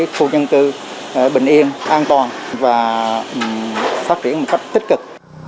khu dân cư bình yên an toàn và phát triển một cách tích cực